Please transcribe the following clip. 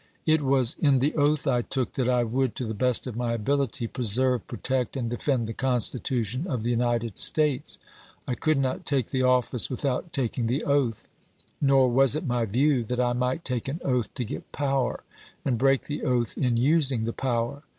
It was in the oath I took that I would, to the best of my ability, preserve, protect, and defend the Constitution of the United States. I could not take the office without taking the oath. Nor was it my view that I might take an oath to get power, and break the oatli in using the power.